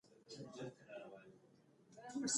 اقتصادي وده عمومي هوساينې چټکه کړي.